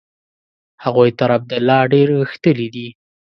هغوی تر عبدالله ډېر غښتلي دي.